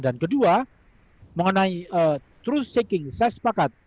dan kedua mengenai truth shaking saya sepakat